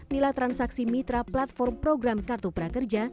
nilai transaksi mitra platform program kartu prakerja